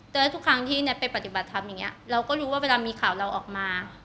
แต่ว่าทุกครั้งที่แท็กไปปฏิบัติธรรมอย่างนี้เราก็รู้ว่าเวลามีข่าวเราออกมา